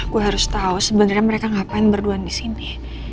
gue harus tau sebenernya mereka ngapain berduaan disini